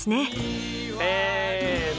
せの。